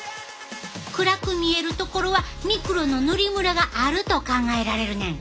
暗く見える所はミクロの塗りムラがあると考えられるねん。